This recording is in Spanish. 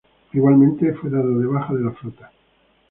Igualmente fue dado de baja de la flota.